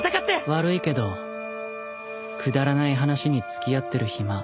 悪いけどくだらない話に付き合ってる暇ないんだよね。